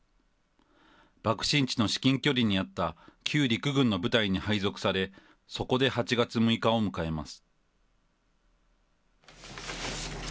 爆心地の至近距離にあった旧陸軍の部隊に配属され、そこで８月６日を迎えます。